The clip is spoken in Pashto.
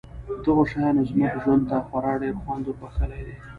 دغو شیانو زموږ ژوند ته خورا ډېر خوند وربښلی دی